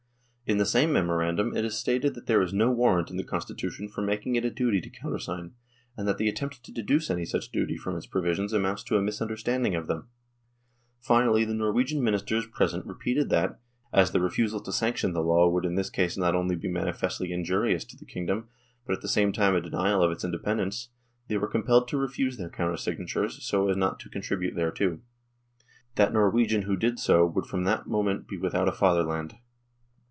In the same memorandum it is stated that there is no warrant in the Constitution for making it a duty to countersign, and that the attempt to deduce any such duty from its provisions amounts to a misunderstanding of them. Finally, the Norwegian Ministers present repeated that, as the refusal to sanction the law would in this case not only be manifestly injurious to the kingdom, but at the same time a denial of its independence, they were compelled to refuse their counter signatures, so as not to contribute thereto. That Norwegian who did so would from that moment be without a fatherland.